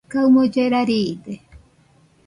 kaɨmo llera riide